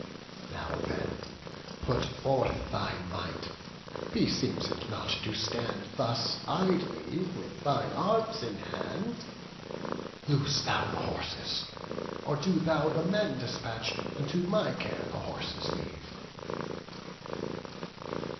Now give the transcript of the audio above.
Now then, put forth thy might; beseems it not To stand thus idly with thine arms in hand: Loose thou the horses; or do thou the men Despatch, and to my care the horses leave."